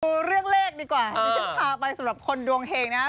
กูเรียกเลขดีกว่านี่ฉันพาไปสำหรับคนดวงเหงนะฮะ